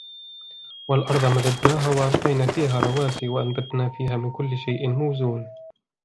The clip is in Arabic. والأرض مددناها وألقينا فيها رواسي وأنبتنا فيها من كل شيء موزون